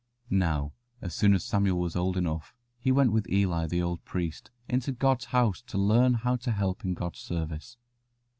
Now, as soon as Samuel was old enough he went with Eli, the old priest, into God's house to learn how to help in God's service.